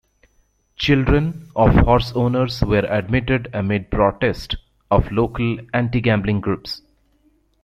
Children of horse owners were admitted amid protest of local anti-gambling groups.